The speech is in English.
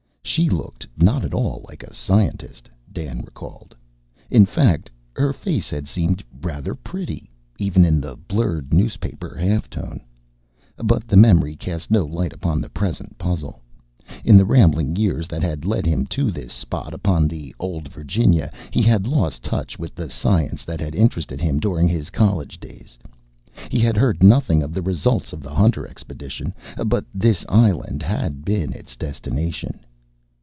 She looked not at all like a scientist, Dan recalled. In fact, her face had seemed rather pretty, even in the blurred newspaper half tone. But the memory cast no light upon the present puzzle. In the rambling years that had led him to this spot upon the old Virginia, he had lost touch with the science that had interested him during his college days. He had heard nothing of the results of the Hunter expedition. But this island had been its destination.